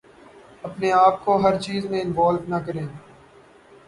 اپنے آپ کو ہر چیز میں انوالو نہ کریں